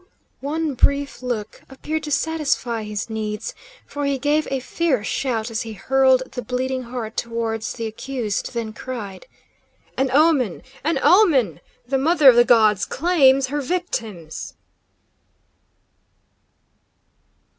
One brief look appeared to satisfy his needs, for he gave a fierce shout as he hurled the bleeding heart towards the accused, then cried: "An omen! An omen! The Mother of the Gods claims her victims!"